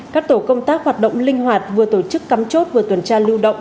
các tổ công tác hoạt động linh hoạt vừa tổ chức cắm chốt vừa tuần tra lưu động